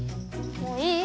もういい？